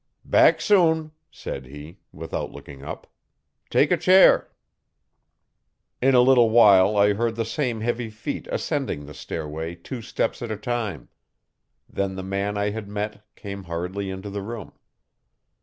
'Back soon,' said he, without looking up. 'Take a chair.' In a little while I heard the same heavy feet ascending the stairway two steps at a time. Then the man I had met came hurriedly into the room.